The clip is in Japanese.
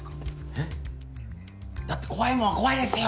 えっ？だって怖いもんは怖いですよ。